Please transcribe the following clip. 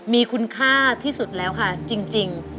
มีคุณค่าที่สุดแล้วค่ะจริง